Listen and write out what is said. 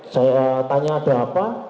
saya tanya ada apa